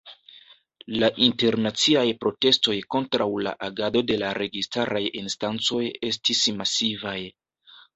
La internaciaj protestoj kontraŭ la agado de la registaraj instancoj estis masivaj.